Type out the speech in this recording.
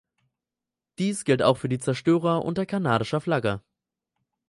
Dies gilt auch für die Zerstörer unter kanadischer Flagge.